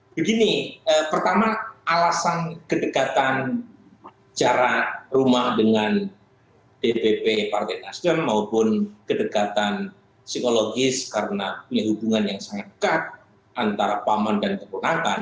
begini pertama alasan kedekatan jarak rumah dengan dpp partai nasdem maupun kedekatan psikologis karena punya hubungan yang sangat dekat antara paman dan keponakan